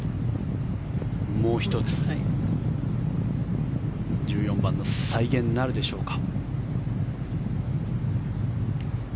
もう１つ１４番の再現なるでしょうか。